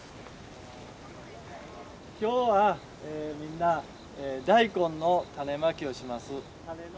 今日はみんな大根の種まきをします。